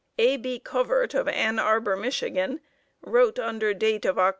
A. B. Covert of Ann Arbor, Mich., wrote under date of Oct.